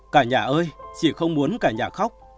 cả nhà ơi chị không muốn cả nhà khóc